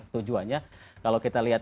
tujuannya kalau kita lihat